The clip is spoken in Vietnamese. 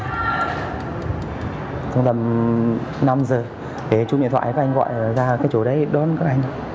rồi tầm năm giờ để chung điện thoại các anh gọi ra chỗ đấy đón các anh